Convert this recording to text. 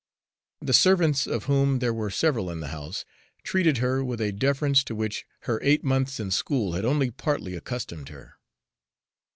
The servants, of whom there were several in the house, treated her with a deference to which her eight months in school had only partly accustomed her.